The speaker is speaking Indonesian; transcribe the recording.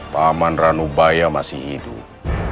paman ranubaya masih hidup